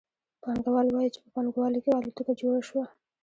پانګوال وايي چې په پانګوالي کې الوتکه جوړه شوه